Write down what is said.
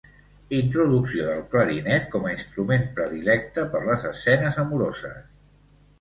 Introducció del clarinet com a instrument predilecte per les escenes amoroses.